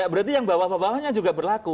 berarti yang bawah bawahnya juga berlaku